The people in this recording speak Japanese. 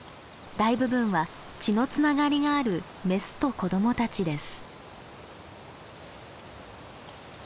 大部分は血のつながりがあるメスと子どもたちです。